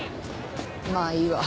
まあいいわ。